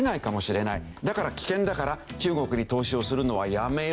だから危険だから中国に投資をするのはやめよう。